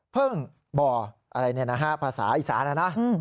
พึ่งบ่ออะไรเนี่ยนะฮะภาษาอีสานนะนะ